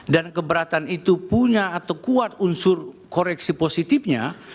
dan keberatan itu punya atau kuat unsur koreksi positifnya